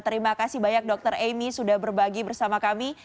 terima kasih banyak dokter emi sudah berbagi bersama kami